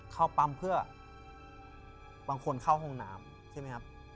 เข้าปั๊มเพื่อบางคนเข้าห้องน้ำใช่ไหมครับ